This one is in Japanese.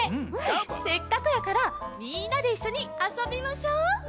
せっかくだからみんなでいっしょにあそびましょう！